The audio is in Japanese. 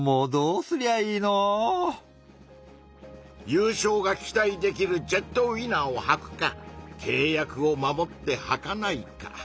ゆうしょうが期待できるジェットウィナーをはくかけい約を守ってはかないか。